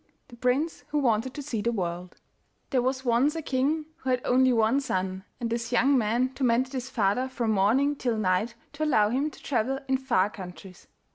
THE PRINCE WHO WANTED TO SEE THE WORLD There was once a king who had only one son, and this young man tormented his father from morning till night to allow him to travel in far countries.